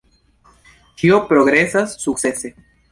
Ĉio progresas sukcese.